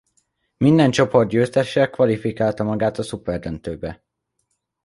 Minden csoport győztese kvalifikálta magát a Szuper döntőbe.